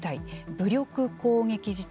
武力攻撃事態